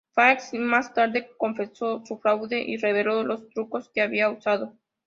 Fay más tarde confesó su fraude y reveló los trucos que había usado.